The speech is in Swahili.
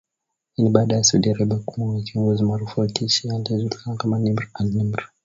Hii ni baada ya Saudi Arabia kumuua kiongozi maarufu wa kishia, aliyejulikana kama Nimr al Nimr